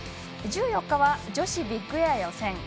１４日は女子ビッグエア予選。